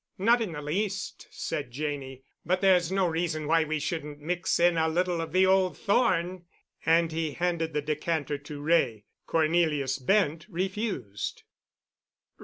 "Not in the least," said Janney, "but there's no reason why we shouldn't mix in a little of the Old Thorne," and he handed the decanter to Wray. Cornelius Bent refused.